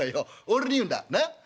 俺に言うんだな？